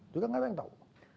juga nggak ada yang tahu